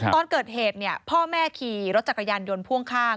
ตอนเกิดเหตุพ่อแม่ขี่รถจักรยานยนต์พ่วงข้าง